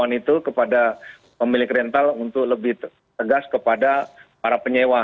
kita beri himboran itu kepada pemilik rental untuk lebih tegas kepada para penyewa